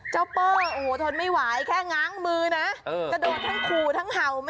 เจ้าเปอร์โอ้โหทนไม่ไหวแค่ง้างมือนะ